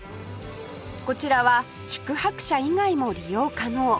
こちらは宿泊者以外も利用可能